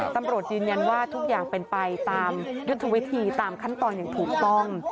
ตำรวจยืนยันว่าทุกอย่างเป็นไปตามยุทธวิธีตามขั้นตอนอย่างถูกต้อง